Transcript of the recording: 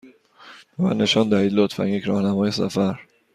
به من نشان دهید، لطفا، یک راهنمای سفر.